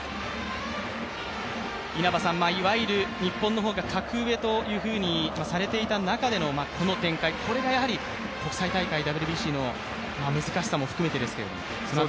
いわゆる日本の方が格上とされていた中でのこの展開、これがやはり国際大会ＷＢＣの難しさも含めてですか？